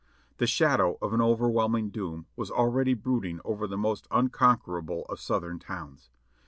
The shadow of an overwhelming doom was already brooding over the most unconquerable of Southern towns.